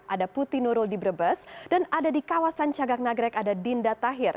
ada putih nurul di brebes dan ada di kawasan cagak nagrek ada dinda tahir